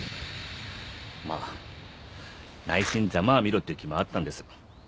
まあ内心ざまあみろっていう気もあったんです。